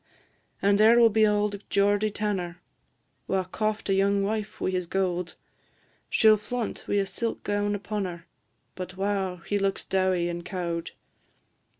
And there will be auld Geordie Tanner, Wha coft a young wife wi' his gowd; She 'll flaunt wi' a silk gown upon her, But, wow! he looks dowie and cowed.